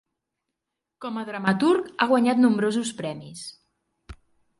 Com a dramaturg, ha guanyat nombrosos premis.